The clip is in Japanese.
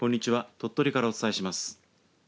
鳥取からお伝えします。